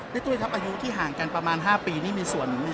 ตุ้ยครับอายุที่ห่างกันประมาณ๕ปีนี่มีส่วนหนึ่ง